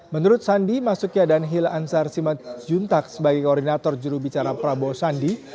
menurut sandi masukiya danhil anzar simajuntak sebagai koordinator jurubicara prabowo sandi